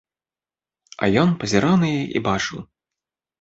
А ён пазіраў на яе і бачыў.